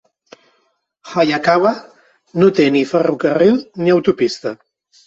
Hayakawa no té ni ferrocarril ni autopista.